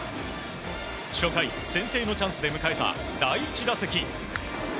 初回、先制のチャンスで迎えた第１打席。